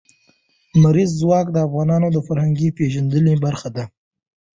لمریز ځواک د افغانانو د فرهنګي پیژندنې برخه ده.